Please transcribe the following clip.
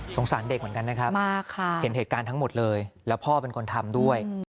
สารเด็กเหมือนกันนะครับเห็นเหตุการณ์ทั้งหมดเลยแล้วพ่อเป็นคนทำด้วย